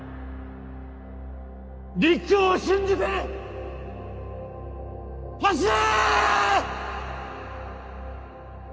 陸王を信じて走れ！